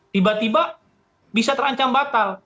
tiba tiba bisa terancam batal